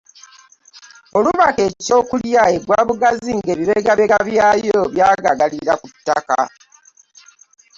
Olubaka ekyokulya egwa bugazi ng’ebibegabega byayo byagaagalira ku ttaka.